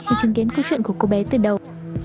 khi chứng kiến câu chuyện của cô bé từ đầu